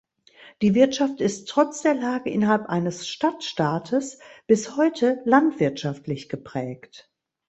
Die Wirtschaft ist trotz der Lage innerhalb eines Stadtstaates bis heute landwirtschaftlich geprägt.